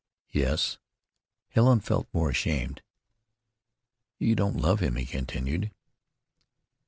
"Yes." Helen felt more ashamed. "You don't love him?" he continued.